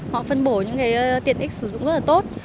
họ phân bổ những tiện ích sử dụng rất là tốt